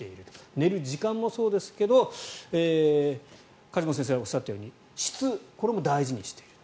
寝る時間もそうですが梶本先生がおっしゃったみたいに質も管理していると。